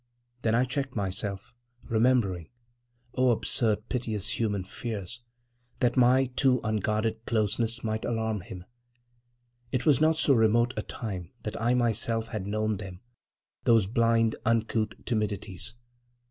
Then I checked myself, remembering—oh, absurd, piteous human fears!—that my too unguarded closeness might alarm him. It was not so remote a time that I myself had known them, those blind, uncouth timidities.